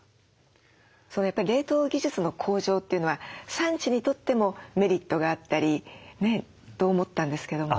やっぱり冷凍技術の向上というのは産地にとってもメリットがあったりねと思ったんですけども。